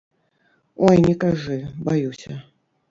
Ой, не кажы, баюся.